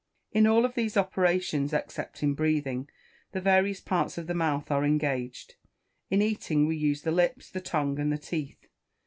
In all of these operations, except in breathing, the various parts of the mouth are engaged. In eating we use the lips, the tongue, and the teeth.